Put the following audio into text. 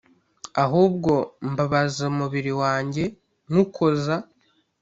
Ahubwo mbabaza umubiri wanjye nywukoza